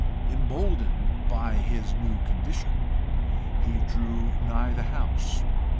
Emboldened by his new condition, he drew nigh the house.